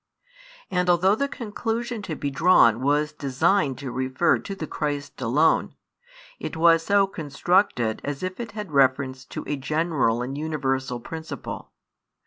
And although the conclusion to be drawn was designed to refer to the Christ alone, it was so constructed as if it had reference to a general and universal principle.